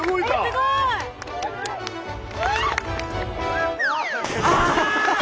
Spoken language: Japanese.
すごい！あ。